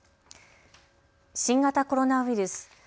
新型コロナウイルス。